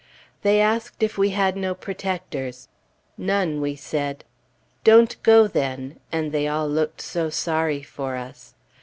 They asked if we had no protectors; "None," we said. "Don't go, then"; and they all looked so sorry for us.